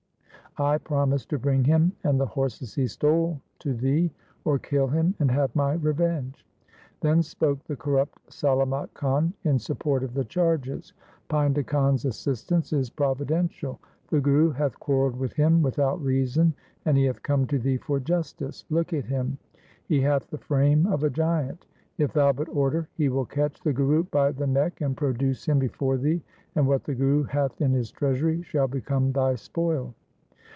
I promise to bring him and the horses he stole to thee, or kill him and have my revenge.' Then spoke the corrupt Salamat Khan in support of the charges :' Painda Khan's assistance is providential. The Guru hath quarrelled with him without reason, and he hath come to thee for justice. Look at him. He hath the frame of a giant. If thou but order he will catch the Guru by the neck and produce him before thee, and what the Guru hath in his treasury shall become thy spoil.'